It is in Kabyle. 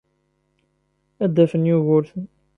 Ad d-afen Yugurten.